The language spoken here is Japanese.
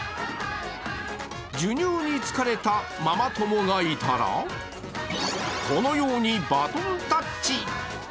授乳に疲れたママ友がいたらこのようにバトンタッチ。